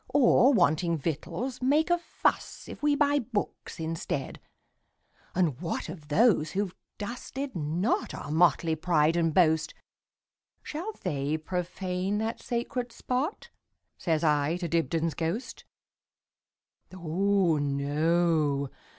Or, wanting victuals, make a fussIf we buy books instead? And what of those who 've dusted notOur motley pride and boast,—Shall they profane that sacred spot?"Says I to Dibdin's ghost."Oh, no!